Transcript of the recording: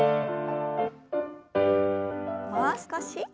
もう少し。